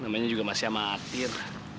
namanya juga masih amatir